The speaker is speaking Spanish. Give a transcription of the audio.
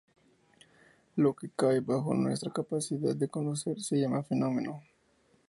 Lo que cae bajo nuestra capacidad de conocer se llama fenómeno.